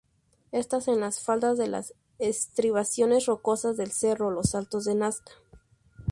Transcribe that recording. Esta en las faldas de las estribaciones rocosas del cerro Los Altos de Nasca.